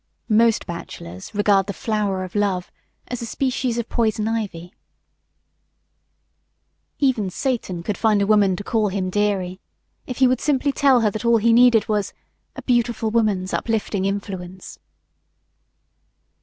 Most bachelors regard the "flower of love" as a species of poison ivy. Even Satan could find a woman to call him "Dearie," if he would simply tell her that all he needed was "a beautiful woman's uplifting influence."